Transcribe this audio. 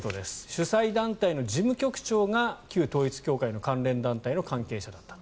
主催団体の事務局長が旧統一教会の関連団体の関係者だった。